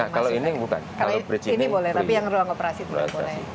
kalau ini bukan kalau bridge ini boleh